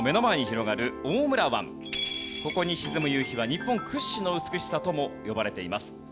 ここに沈む夕日は日本屈指の美しさとも呼ばれています。